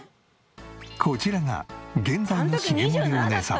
こちらが現在の茂森おねえさん。